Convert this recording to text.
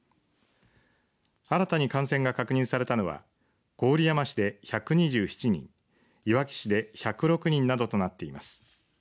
新たに感染が確認されたのは郡山市で１２７人いわき市で１０６人などとなっています。